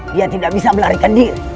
dia tidak bisa melarikan diri